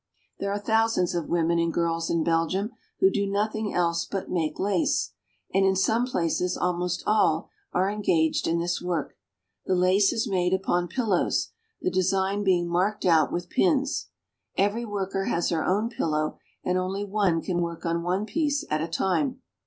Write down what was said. There are thousands of women and girls in Belgium who do nothing else but make lace ; and in some places almost all are engaged in this work. The lace is made upon pillows, the design being marked out with pins. Every worker has her own pillow, and only one can work on one piece at a time.